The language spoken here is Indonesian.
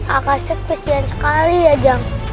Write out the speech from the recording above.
akasih kesian sekali ya jang